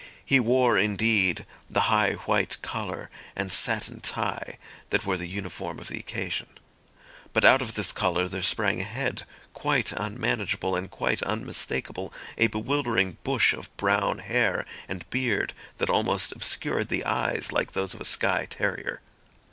He wore, indeed, the high white collar and satin tie that were the uniform of the occasion; but out of this collar there sprang a head quite unmanageable and quite unmistakable, a bewildering bush of brown hair and beard that almost obscured the eyes like those of a Skye terrier.